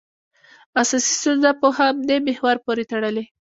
اساسي ستونزه په همدې محور پورې تړلې.